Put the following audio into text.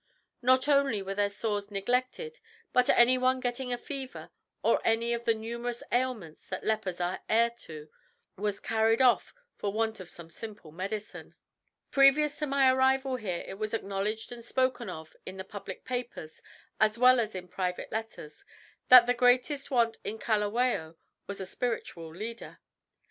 Not only were their sores neglected but any one getting a fever, or any of the numerous ailments that lepers are heir to, was carried off for want of some simple medicine. "Previous to my arrival here it was acknowledged and spoken of in the public papers as well as in private letters that the greatest want at Kalawao was a spiritual leader.